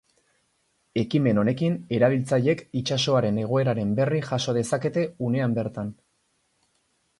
Ekimen honekin, erabiltzaileek itsasoaren egoeraren berri jaso dezakete unean bertan.